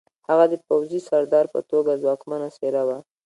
هغه د پوځي سردار په توګه ځواکمنه څېره وه